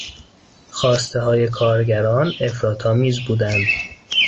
خواستههای کارگران افراط آمیز بودند.